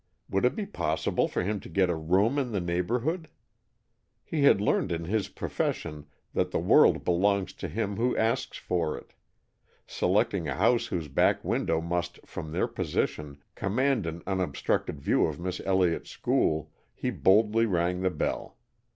Would it be possible for him to get a room in the neighborhood? He had learned in his profession that the world belongs to him who asks for it, so, selecting a house whose back windows must, from their position, command an unobstructed view of Miss Elliott's School, he boldly rang the bell.